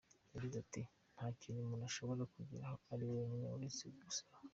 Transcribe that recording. Yagize ati: “Nta kintu umuntu ashobora kugeraho ari wenyine, uretse gusara.